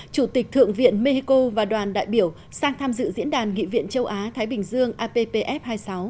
chủ tịch thượng viện mexico và đoàn đại biểu sang tham dự diễn đàn nghị viện châu á thái bình dương appf hai mươi sáu